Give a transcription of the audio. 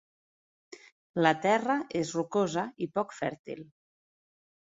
La terra és rocosa i poc fèrtil.